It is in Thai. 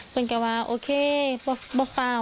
ภาพฟาว